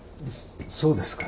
そうですかね。